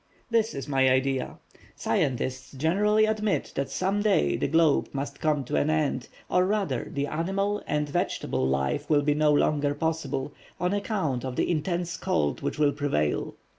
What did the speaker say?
"This is my idea: Scientists generally admit that some day the globe must come to an end, or rather the animal and vegetable life will be no longer possible, on account of the intense cold which will prevail.